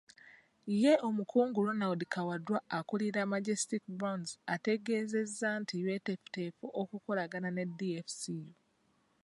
Ye omukungu Ronald Kawaddwa akulira Majestic Brands ategeezeza nti beeteefuteefu okukolagana ne DFCU.